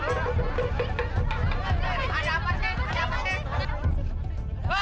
ada apa sih